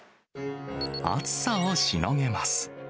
暑さをしのげます。